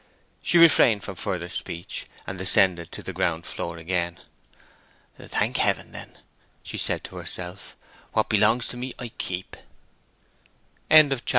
She refrained from further speech, and descended to the ground floor again. "Thank Heaven, then," she said to herself, "what belongs to me I keep." CHAPTER III.